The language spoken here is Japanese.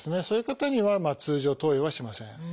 そういう方には通常投与はしません。